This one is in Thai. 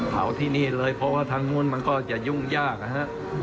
ที่นี่เลยเพราะว่าทางนู้นมันก็จะยุ่งยากนะฮะ